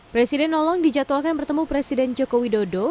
presiden nolong dijadwalkan bertemu presiden joko widodo